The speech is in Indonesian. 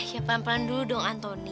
saya pelan pelan dulu dong antoni